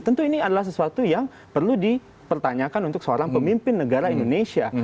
tentu ini adalah sesuatu yang perlu dipertanyakan untuk seorang pemimpin negara indonesia